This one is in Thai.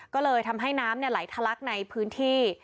ก็เลยทำให้น้ำไหลทะลักในพื้นที่